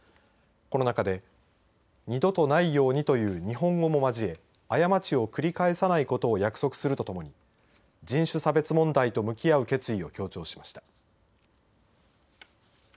この中で２度とないようにという日本語を交え過ちを繰り返さないことを約束するとともに人種差別問題と向き合う決意を強調しました。